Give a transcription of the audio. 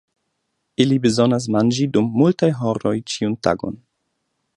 Ili bezonas manĝi dum multaj horoj ĉiun tagon.